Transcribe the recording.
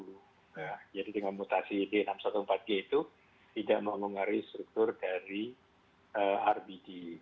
nah jadi dengan mutasi d enam ratus empat belas g itu tidak mengungari struktur dari rbd